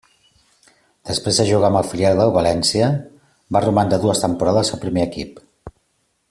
Després de jugar amb el filial del València, va romandre dues temporades al primer equip.